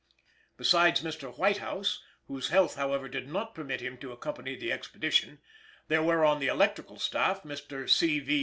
Besides Mr. Whitehouse (whose health, however, did not permit him to accompany the expedition) there were on the electrical staff Mr. C. V.